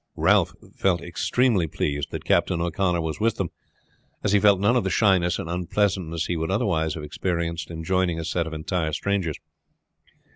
Ralph felt extremely pleased that Captain O'Connor was with them, as he felt none of the shyness and unpleasantness he would otherwise have experienced in joining a set of entire strangers.